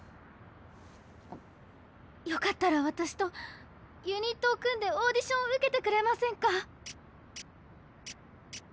よかったらわたしとユニットを組んでオーディションを受けてくれませんか？